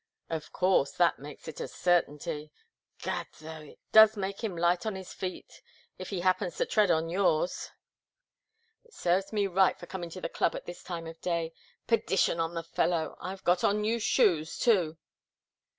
"Of course that makes it a certainty. Gad, though! It doesn't make him light on his feet, if he happens to tread on yours. It serves me right for coming to the club at this time of day! Perdition on the fellow! I've got on new shoes, too!"